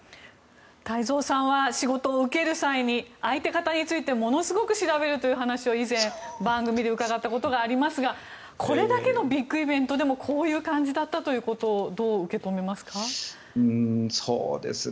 太蔵さんは仕事を受ける際に相手方についてをものすごく調べるという話を以前、番組で伺ったことがありますがこれだけのビッグイベントでもこういう感じだったということをどう受け止めますか？